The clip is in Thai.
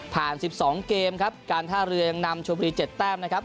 ผ่านสิบสองเกมครับการท่าเรือยังนำชวบุรีเจ็ดแต้มนะครับ